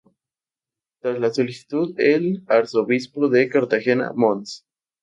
Tras la solicitud del arzobispo de Cartagena, mons.